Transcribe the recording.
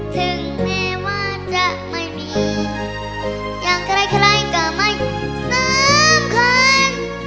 ถึงแม้ว่าจะไม่มีอย่างใครก็ไม่สำคัญ